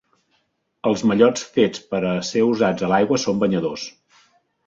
Els mallots fets per a ser usats a l'aigua són banyadors.